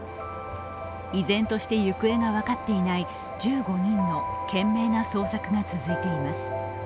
依然として行方が分かっていない１５人の懸命な捜索が続いています。